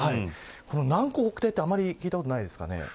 南高北低とは、あんまり聞いたことがないですよね。